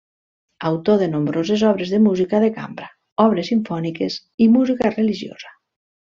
Autor de nombroses obres de música de cambra, obres simfòniques i música religiosa.